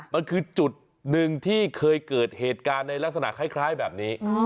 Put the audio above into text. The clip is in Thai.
มันคือจุดหนึ่งที่เคยเกิดเหตุการณ์ในลักษณะคล้ายแบบนี้